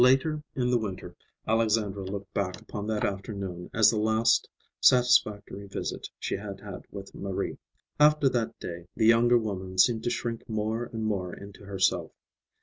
Later in the winter, Alexandra looked back upon that afternoon as the last satisfactory visit she had had with Marie. After that day the younger woman seemed to shrink more and more into herself.